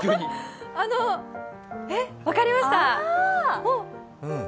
えっ、分かりました。